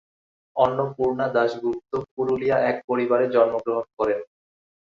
অন্নপূর্ণা দাশগুপ্ত পুরুলিয়া এক পরিবারে জন্মগ্রহণ করেন।